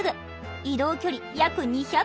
移動距離約２００ｋｍ。